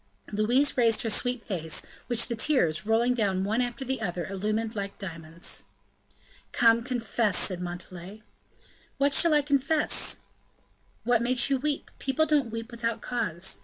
Louise raised her sweet face, which the tears, rolling down one after the other, illumined like diamonds. "Come, confess," said Montalais. "What shall I confess?" "What makes you weep; people don't weep without cause.